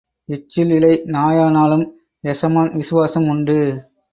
எச்சில் இலை நாயானாலும் எசமான் விசுவாசம் உண்டு.